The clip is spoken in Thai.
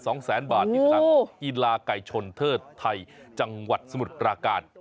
ที่สำหรับกีฬาไก่ชนเทิดไทยจังหวัดสมุทรกรากาศ